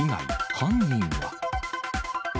犯人は？